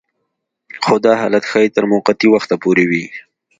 خو دا حالت ښايي تر موقتي وخته پورې وي